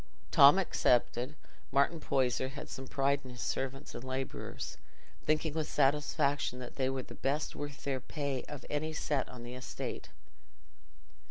Tom excepted, Martin Poyser had some pride in his servants and labourers, thinking with satisfaction that they were the best worth their pay of any set on the estate.